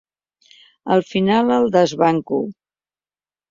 Al final, el desbanco.